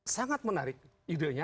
sangat menarik idenya